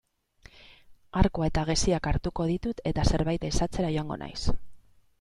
Arkua eta geziak hartuko ditut eta zerbait ehizatzera joango naiz.